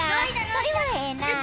それはええな！